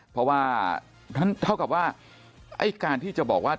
เพราะว่าเท่ากับว่าไอ้การที่จะบอกว่า